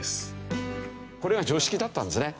これが常識だったんですね。